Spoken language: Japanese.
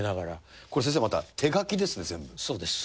これ先生また、手書きですね、そうです。